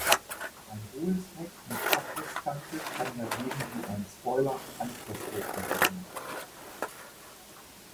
Ein hohes Heck mit Abrisskante kann dagegen wie ein Spoiler Anpressdruck entwickeln.